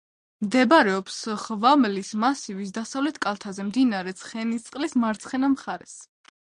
მდებარეობს ხვამლის მასივის დასავლეთ კალთაზე, მდინარე ცხენისწყლის მარცხენა მხარეს.